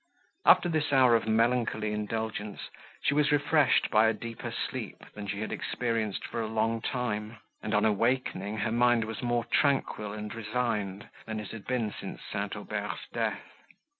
After this hour of melancholy indulgence, she was refreshed by a deeper sleep, than she had experienced for a long time, and, on awakening, her mind was more tranquil and resigned, than it had been since St. Aubert's death.